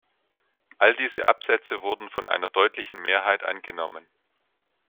All diese Absätze wurden von einer deutlichen Mehrheit angenommen.